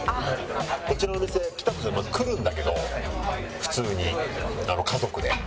こちらのお店来たとしても来るんだけど普通に家族で。